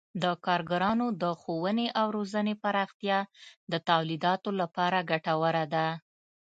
د کارګرانو د ښوونې او روزنې پراختیا د تولیداتو لپاره ګټوره ده.